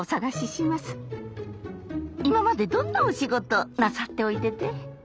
今までどんなお仕事をなさっておいでで？